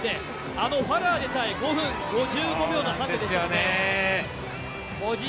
あのファラーでさえ、５分５０秒の差でした。